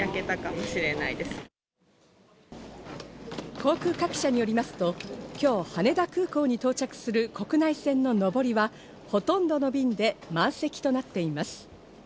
航空各社によりますと、今日、羽田空港に到着する国内線の上りはほとんどの便で満席となっています。